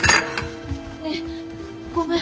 ねぇごめん。